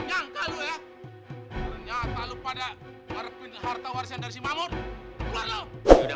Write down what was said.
nyangka lu ya ternyata lu pada warfind harta waris yang dari si mamut luar lu udah